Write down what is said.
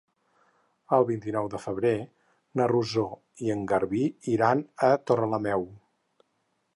El vint-i-nou de febrer na Rosó i en Garbí iran a Torrelameu.